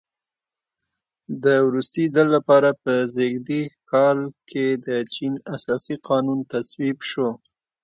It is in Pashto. د وروستي ځل لپاره په زېږدیز کال کې د چین اساسي قانون تصویب شو.